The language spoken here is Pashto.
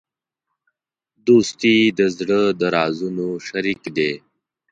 دوستي د زړه د رازونو شریک دی.